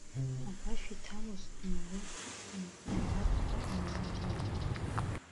Агәашә иҭалоз налеихырхәаны аҩнаҵаҟа иныҩналон.